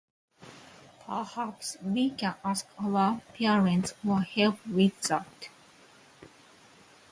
Perhaps we can ask our parents for help with that.